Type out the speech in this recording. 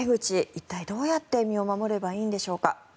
一体どうやって身を守ればいいのでしょうか。